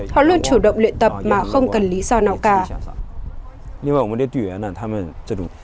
họ luôn chủ động luyện tập mà không cần lý do nào cả